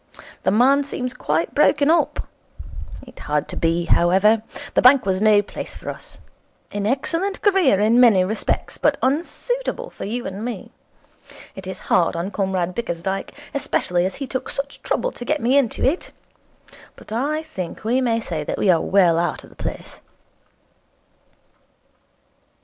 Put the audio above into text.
'The man seems quite broken up. It had to be, however. The bank was no place for us. An excellent career in many respects, but unsuitable for you and me. It is hard on Comrade Bickersdyke, especially as he took such trouble to get me into it, but I think we may say that we are well out of the place.'